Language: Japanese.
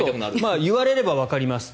言われればわかります。